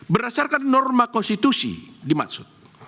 berdasarkan norma konstitusi dimaksud